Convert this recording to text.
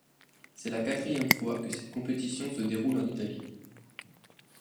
C'est la quatrième fois que cette compétition se déroule en Italie.